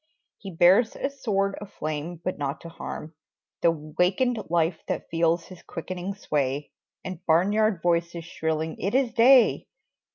He bears a sword of flame but not to harm The wakened life that feels his quickening sway And barnyard voices shrilling "It is day!"